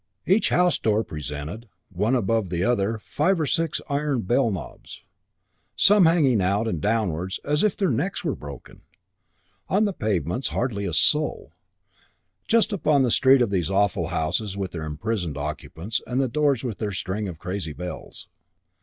Each house door presented, one above the other, five or six iron bell knobs, some hanging out and downwards, as if their necks were broken. On the pavements hardly a soul. Just street upon street of these awful houses with their imprisoned occupants and the doors with their string of crazy bells.